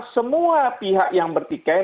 semua pihak yang berpikai